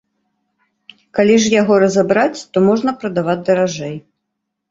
Калі ж яго разабраць, то можна прадаваць даражэй.